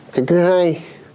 cái thứ hai